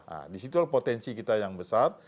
nah disitulah potensi kita yang besar